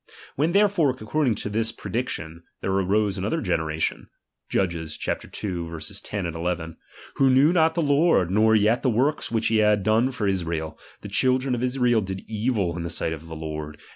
When therefore according to this prediction there arose another generation (Judges ii.10 1 \)who knew not the Lord, nor yet the works which he had done for Israel, the children of Israel did evil in the sight of the Lord, a?